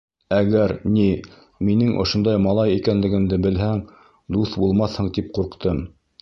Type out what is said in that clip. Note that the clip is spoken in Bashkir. Әгәр, ни, минең ошондай малай икәнлегемде белһәң, дуҫ булмаҫһың, тип ҡурҡтым...